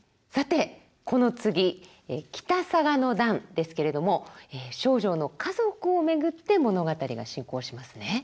さてこの次「北嵯峨の段」ですけれども丞相の家族を巡って物語が進行しますね。